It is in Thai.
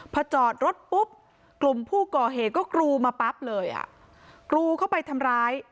พอจอดรถปุ๊บกลุ่มผู้ก่อเหตุก็กรูมาปั๊บเลยอ่ะกรูเข้าไปทำร้าย